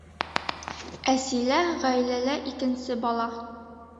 Әсилә — ғаиләлә икенсе бала.